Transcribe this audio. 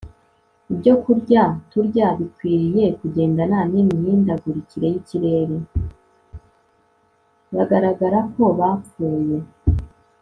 bagaragara ko bapfuye